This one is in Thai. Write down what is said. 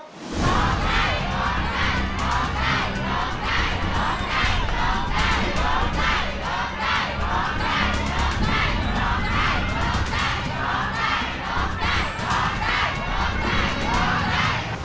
โบใจ